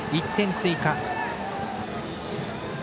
１点追加。